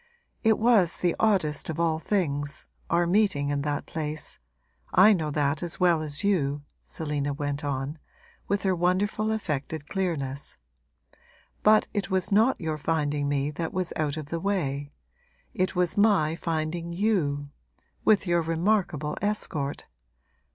It was the oddest of all things, our meeting in that place I know that as well as you,' Selina went on, with her wonderful affected clearness; 'but it was not your finding me that was out of the way; it was my finding you with your remarkable escort!